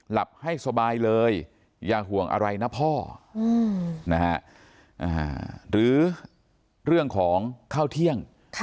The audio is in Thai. หลับให้สบายเลยอย่าห่วงอะไรนะพ่อหรือเรื่องของเข้าเที่ยง